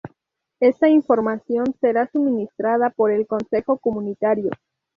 Esta información será suministrada por el consejo comunitario.